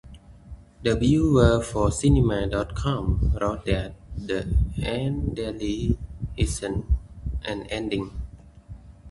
The reviewer for "Cinema dot com" wrote that "The end really isn't an ending.